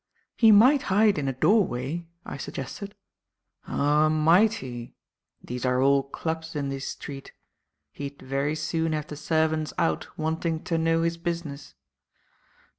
"He might hide in a doorway," I suggested. "Oh, might he! These are all clubs in this street. He'd very soon have the servants out wanting to know his business.